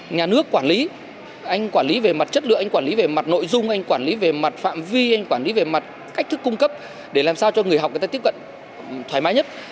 nhà nước quản lý anh quản lý về mặt chất lượng anh quản lý về mặt nội dung anh quản lý về mặt phạm vi anh quản lý về mặt cách thức cung cấp để làm sao cho người học người ta tiếp cận thoải mái nhất